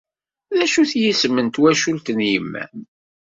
D acu-t yisem n twacult n yemma-m?